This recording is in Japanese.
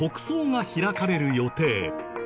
が開かれる予定。